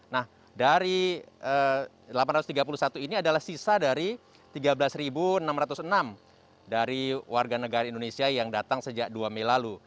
nah dari delapan ratus tiga puluh satu ini adalah sisa dari tiga belas enam ratus enam dari warga negara indonesia yang datang sejak dua mei lalu